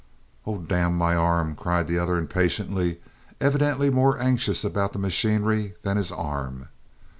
"Oh, damn my arm!" cried the other impatiently, evidently more anxious about the machinery than his arm.